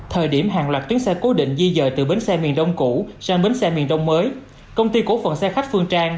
thời điểm hàng loạt tuyến xe cố định di dời từ bến xe miền đông cũ sang bến xe miền đông mới công ty cổ phần xe khách phương trang